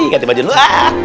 ganti baju dulu